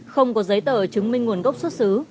không có giấy tờ chứng minh nguồn gốc xuất xứ